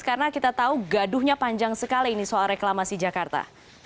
karena kita tahu gaduhnya panjang sekali ini soal reklamasi jakarta